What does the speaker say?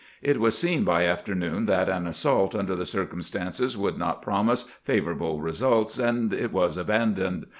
It was seen by afternoon that an assault under the cir cumstances would not promise favorable results, and it was abandoned.